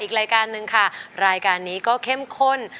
อีกรายการหนึ่งค่ะรายการนี้ก็เข้มข้น